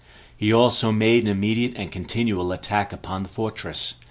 He also made an immediate and continual attack upon the fortress.